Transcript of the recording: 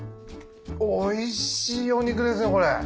おいしいお肉ですねこれ。